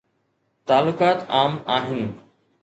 تعلقات عام آهن.